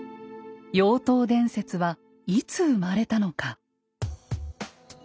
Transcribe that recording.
妖刀伝説はいつ生まれたのか。